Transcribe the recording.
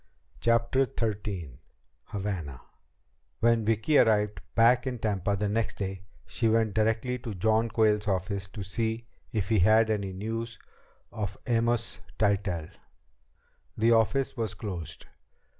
CHAPTER XIII Havana When Vicki arrived back in Tampa the next day, she went directly to John Quayle's office to see if he had any news of Amos Tytell. The office was closed.